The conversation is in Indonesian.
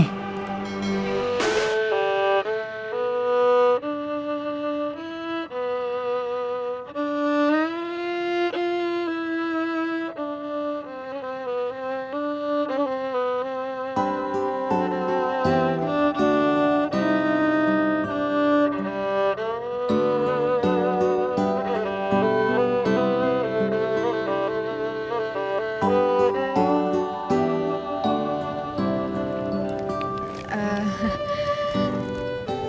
aku gak mau